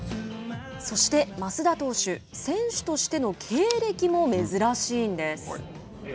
そして、益田投手選手としての経歴も珍しいんです。